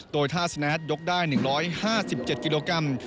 โดยท่าสแนทยกได้๑๕๗กิโลกรัม